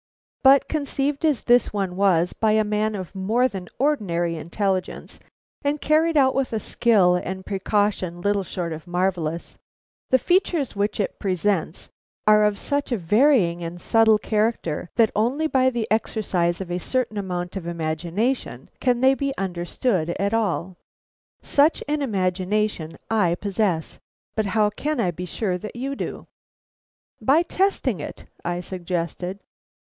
But conceived as this one was by a man of more than ordinary intelligence, and carried out with a skill and precaution little short of marvellous, the features which it presents are of such a varying and subtle character that only by the exercise of a certain amount of imagination can they be understood at all. Such an imagination I possess, but how can I be sure that you do?" "By testing it," I suggested.